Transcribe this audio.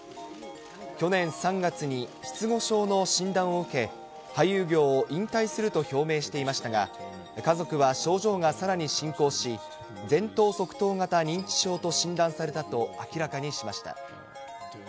去年３月に失語症の診断を受け、俳優業を引退すると表明していましたが、家族は症状がさらに進行し、前頭側頭型認知症と診断されたと明らかにしました。